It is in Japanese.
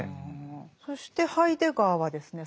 そしてハイデガーはですね